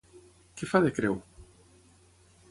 Què fa de creu?